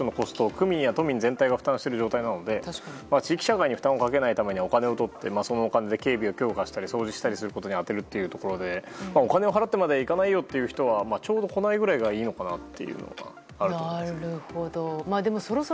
今は、区民や都民が負担してる状態なので、地域社会に負担をかけないためには、お金を取って、そのお金で警備を強化したり、掃除したりすることに充てるということで、お金を払ってまで行かないよという人は、ちょうど来ないぐらいがいいのかなというのがあると思いますけど。